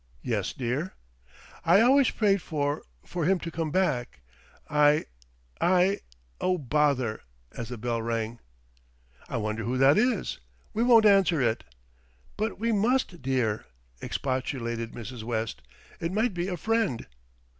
"Yes, dear." "I always prayed for for him to come back. I I Oh bother!" as the bell rang. "I wonder who that is. We won't answer it." "But we must, dear," expostulated Mrs. West. "It might be a friend."